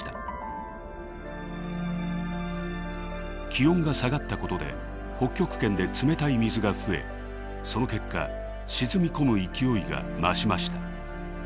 気温が下がったことで北極圏で冷たい水が増えその結果沈み込む勢いが増しました。